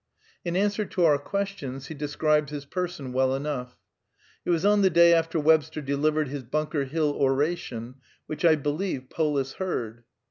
In answer to our questions, he described his person well enough. It was on the day after Webster delivered his Bunker Hill oration, which I believe Polis heard.